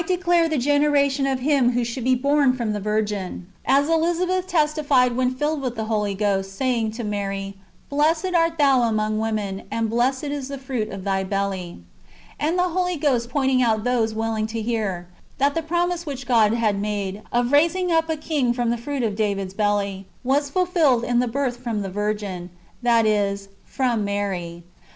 declare the generation of Him who should be [born] from the Virgin, as Elisabeth testified when filled with the Holy Ghost, saying to Mary, " Blessed art thou among women, and blessed is the fruit of thy belly ;"^ the Holy Ghost pointing out to those willing to hear, that the promise which God had made, of raising up a King from the fruit of [David's] belly, was fulfilled in the birth from the Virgin, that is, from Mary.